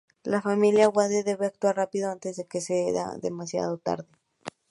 La familia Wade debe actuar rápido antes de que sea demasiado tarde.